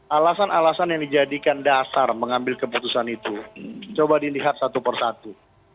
alasan alasan yang dijadikan dasar mengambil keputusan itu coba dilihat satu persatu